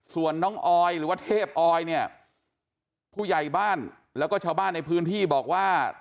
ส่วนน้องออยหรือว่าเทพอออยเนี่ยผู้ใหญ่บ้านแล้วก็ชาวบ้านในพื้นที่บอกว่า